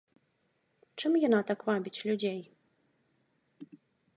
Чым яна так вабіць людзей?